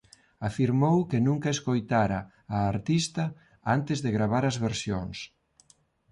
Afirmou que nunha escoitara á artista antes de gravar as versións.